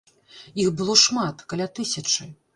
Іх было шмат, каля тысячы.